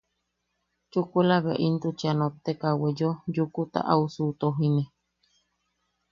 Chukula bea intuchi a notteka a weyeo, yukuta au suʼutojine.